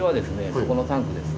そこのタンクです。